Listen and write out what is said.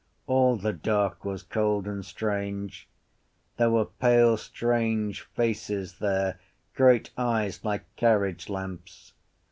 All the dark was cold and strange. There were pale strange faces there, great eyes like carriagelamps.